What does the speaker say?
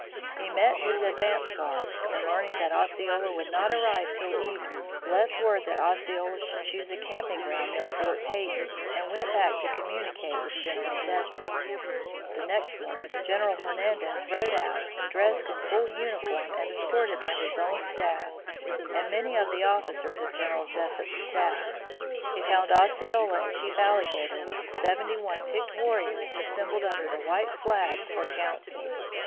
He met his advance guard, and learning that Osceola would not arrive till evening, left word that Osceola should choose a camping ground near Fort Peyton, and went back to communicate with General Jesup. The next morning General Hernandez rode out dressed in full uniform and escorted by his own staff and many of the officers of General Jesup's staff. He found Osceola and Chief Alligator with seventy one picked warriors assembled under the white flag for council.